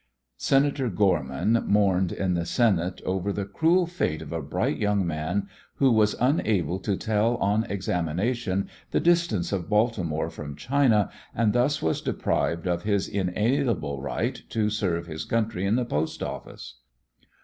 Senator Gorman mourned in the Senate over the cruel fate of a "bright young man" who was unable to tell on examination the distance of Baltimore from China, and thus was deprived of his inalienable right to serve his country in the post office.